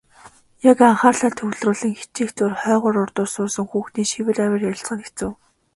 Яг анхаарлаа төвлөрүүлэн хичээх зуур хойгуур урдуур суусан хүүхдийн шивэр авир ярилцах нь хэцүү.